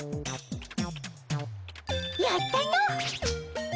やったの！